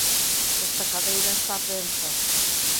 Esta cadeira está penza